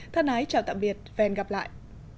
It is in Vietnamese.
thân ái chào tạm biệt và hẹn gặp lại